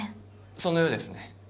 そのようですね。